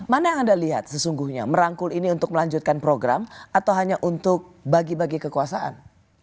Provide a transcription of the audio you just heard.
mana yang anda lihat sesungguhnya merangkul ini untuk melanjutkan program atau hanya untuk bagi bagi kekuasaan